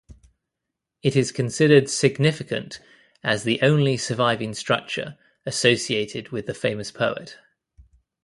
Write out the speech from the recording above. It is considered significant as the only surviving structure associated with the famous poet.